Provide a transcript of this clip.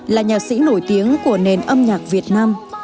là nhạc sĩ nổi tiếng của nền âm nhạc việt nam